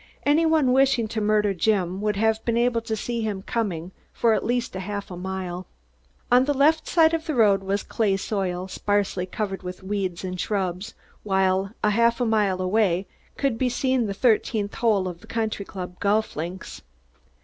Any one wishing to murder Jim would have been able to see him coming for at least a half mile. On the left of the road was clay soil, sparsely covered with weeds and shrubs, while a half mile away could be seen the thirteenth hole of the country club golf links.